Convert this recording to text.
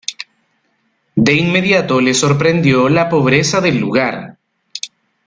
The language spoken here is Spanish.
De inmediato le sorprendió la pobreza del lugar.